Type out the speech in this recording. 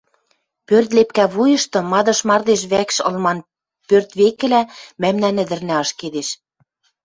Пӧрт лепкӓ вуйышты мадыш мардеж вӓкш ылман пӧрт векӹлӓ мӓмнӓн ӹдӹрнӓ ашкедеш.